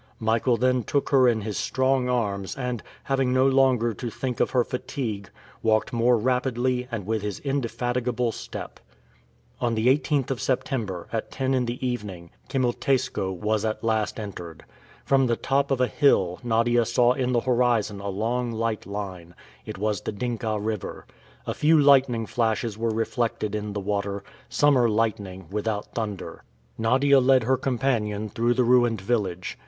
Michael then took her in his strong arms and, having no longer to think of her fatigue, walked more rapidly and with his indefatigable step. On the 18th of September, at ten in the evening, Kimilteiskoe was at last entered. From the top of a hill, Nadia saw in the horizon a long light line. It was the Dinka River. A few lightning flashes were reflected in the water; summer lightning, without thunder. Nadia led her companion through the ruined village.